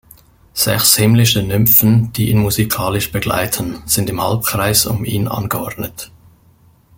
Sechs himmlische Nymphen, die ihn musikalisch begleiten, sind im Halbkreis um ihn angeordnet.